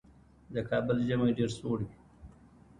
د کابل ژمی ډېر سوړ وي.